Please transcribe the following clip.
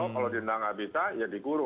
kalau denda nggak bisa ya dikurung